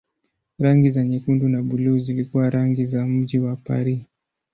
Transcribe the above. Rangi za nyekundu na buluu zilikuwa rangi za mji wa Paris.